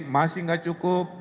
masih gak cukup